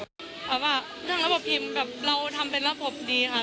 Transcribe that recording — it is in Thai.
สำหรับระบบทีมเราทำเป็นระบบดีค่ะ